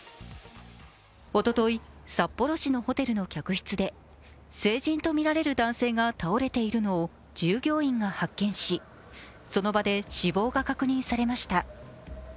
おととい、札幌市のホテルの客室で成人とみられる男性が倒れているのを従業員が発見し、その場で死亡が確認されました。